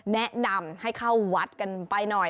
แนะนำให้เข้าวัดกันไปหน่อย